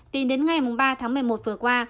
tính đến ngày ba tháng một mươi một vừa qua